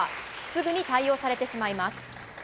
すぐに対応されてしまいます。